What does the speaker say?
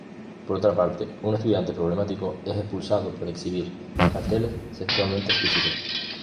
Por otra parte, un estudiante problemático es expulsado por exhibir carteles sexualmente explícitos.